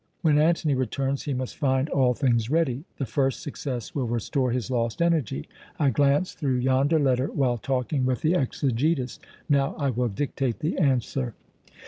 When Antony returns he must find all things ready. The first success will restore his lost energy. I glanced through yonder letter while talking with the Exegetus; now I will dictate the answer."